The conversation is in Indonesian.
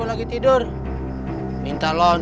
gak ada gotang dan kepumparan